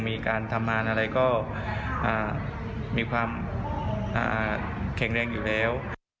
มีการทำงานอะไรก็มีความแข็งแรงอยู่แล้ว